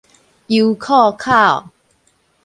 油庫口